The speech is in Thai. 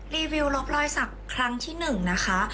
รีวิวรอบร้อยศักดิ์ครั้งที่๑นะคะ